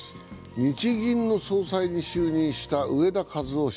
日銀の総裁に就任した植田和男氏。